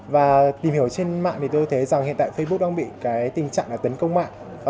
và tìm hiểu trên mạng tôi thấy rằng hiện tại facebook đang bị tình trạng tấn công mạng